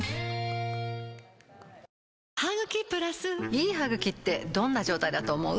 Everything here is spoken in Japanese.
いい歯ぐきってどんな状態だと思う？